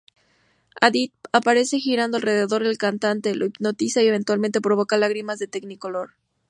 Hadid aparece girando alrededor del cantante, lo hipnotiza y eventualmente provoca lágrimas de technicolor.